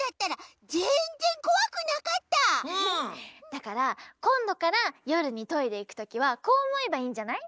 だからこんどからよるにトイレいくときはこうおもえばいいんじゃない？